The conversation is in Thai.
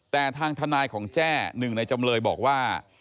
แต่ทางทนายของแจ้หนึ่งในจำเลยบอกว่า